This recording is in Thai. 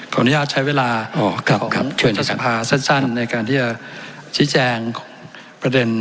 ขออนุญาตใช้เวลาของเจ้าสภาสั้นในการที่จะชี้แจงประเด็น